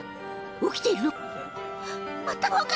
起きているのか？